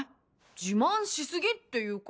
自慢しすぎっていうか。